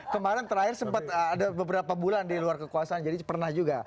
kemarin terakhir sempat ada beberapa bulan di luar kekuasaan jadi pernah juga